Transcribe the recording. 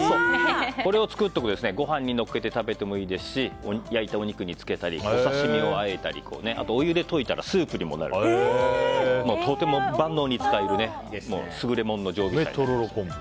これを作っておくとご飯にのっけて食べてもいいですし焼いたお肉につけたりお刺し身をあえたりあとは、お湯で溶いたらスープにもなるのでとても万能に使える優れものの常備菜です。